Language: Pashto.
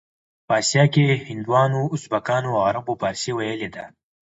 په اسیا کې هندوانو، ازبکانو او عربو فارسي ویلې ده.